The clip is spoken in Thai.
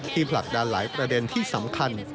ที่ผลักดาลายประเด็นที่สำคัญ